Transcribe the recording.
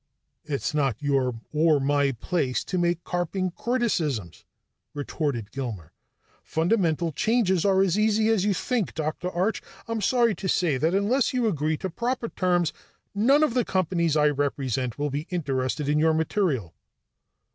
"It is not your or my place to make carping criticisms," retorted Gilmer. "Fundamental changes aren't as easy as you think. Dr. Arch, I'm sorry to say that unless you'll agree to proper terms, none of the companies I represent will be interested in your material."